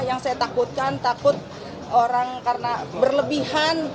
yang saya takutkan takut orang karena berlebihan